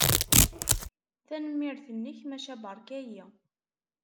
Tanemmirt-nnek, maca beṛka-iyi.